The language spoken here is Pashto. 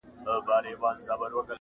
نه به سر ته وي امان د غریبانو،